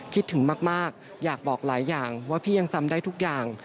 คิดถึงมากอยากบอกหลายอย่างว่าพี่ยังจำได้ทุกอย่าง